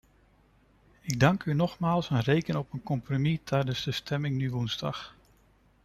Ik dank u nogmaals en reken op een compromis tijdens de stemming nu woensdag.